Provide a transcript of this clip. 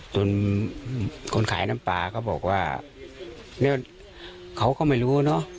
คนขายน้ำปลาก็บอกว่าแล้วเขาก็ไม่รู้เนอะ